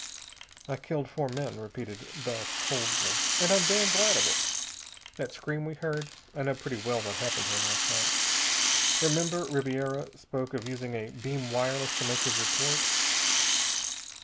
"I killed four men," repeated Bell coldly. "And I'm damned glad of it. That scream we heard.... I know pretty well what happened here last night. Remember, Ribiera spoke of using a beam wireless to make his report.